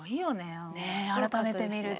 改めて見ると。